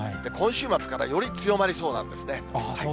今週末からより強まりそうなんですね。